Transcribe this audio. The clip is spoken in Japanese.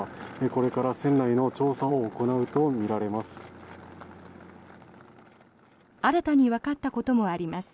これから船内の調査を行うとみられます。